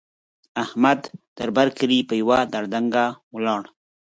احمد؛ تر بر کلي په يوه دړدنګ ولاړ.